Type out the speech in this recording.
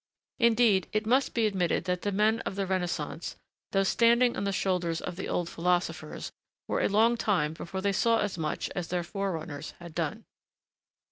Indeed, it must be admitted that the men of the Renaissance, though standing on the shoulders of the old philosophers, were a long time before they saw as much as their forerunners had done.